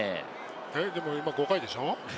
えっ、でも今５回でしょ？